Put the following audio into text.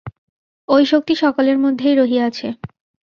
ঐ শক্তি সকলের মধ্যেই রহিয়াছে।